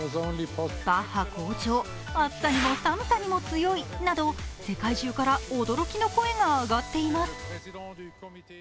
バッハ校長、暑さにも寒さにも強いなど世界中から驚きの声が上がっています。